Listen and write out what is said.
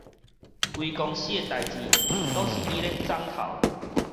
規公司的代誌攏是伊咧摠頭